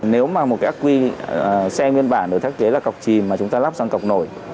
nếu một ác quy xe nguyên bản được thác chế là cọc chìm mà chúng ta lắp sang cọc nổi